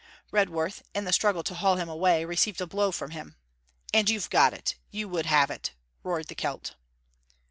Redworth, in the struggle to haul him away, received a blow from him. 'And you've got it! you would have it!' roared the Celt.